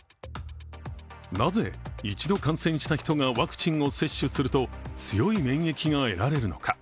なぜ、一度感染した人がワクチンを接種すると強い免疫が得られるのか。